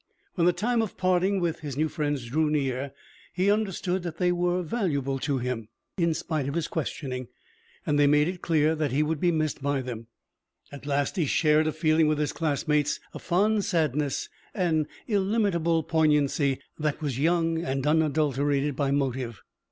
When the time of parting with his new friends drew near, he understood that they were valuable to him, in spite of his questioning. And they made it clear that he would be missed by them. At last he shared a feeling with his classmates, a fond sadness, an illimitable poignancy that was young and unadulterated by motive.